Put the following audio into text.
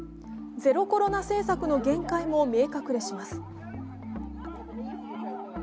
ゼロコロナ政策の限界も見え隠れします。